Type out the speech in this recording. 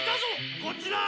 こっちだ！